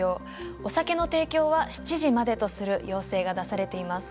お酒の提供は７時までとする要請が出されています。